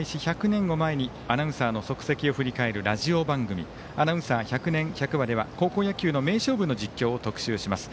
１００年を前にアナウンサーの足跡を振り返るラジオ番組「アナウンサー百年百話」では甲子園の名場面の実況を特集します。